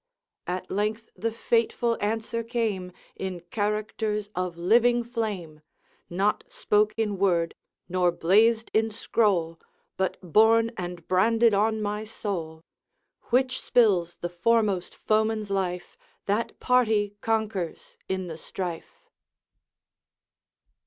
At length the fateful answer came In characters of living flame! Not spoke in word, nor blazed in scroll, But borne and branded on my soul: WHICH SPILLS THE FOREMOST FOEMAN'S LIFE, THAT PARTY CONQUERS IN THE STRIFE.'